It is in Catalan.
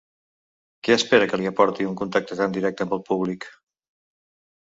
Què espera que li aporti un contacte tan directe amb el públic?